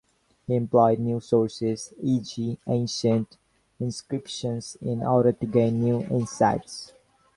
He employed new sources, e.g., ancient inscriptions, in order to gain new insights.